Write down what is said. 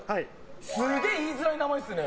すげえ言いづらい名前ですね。